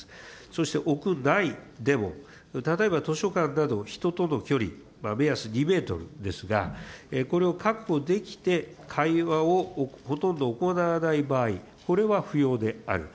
そして屋内でも、例えば図書館など人との距離、目安２メートルですが、これを確保できて、会話をほとんど行わない場合、これは不要である。